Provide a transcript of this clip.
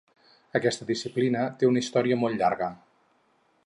Aquesta disciplina té una història molt llarga.